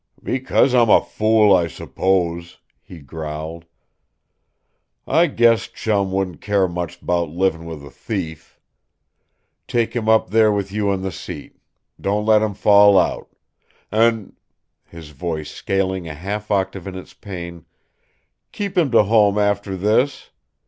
"Because I'm a fool, I s'pose," he growled. "I guess Chum wouldn't care much 'bout livin' with a thief. Take him up there with you on the seat. Don't let him fall out. An'" his voice scaling a half octave in its pain "keep him to home after this.